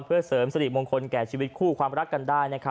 เพื่อเสริมสิริมงคลแก่ชีวิตคู่ความรักกันได้